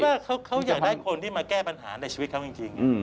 ว่าเขาอยากได้คนที่มาแก้ปัญหาในชีวิตเขาจริง